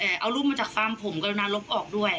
เอารูปมาจากฟาร์มผมก็อยู่นานลบออกด้วย